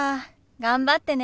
頑張ってね。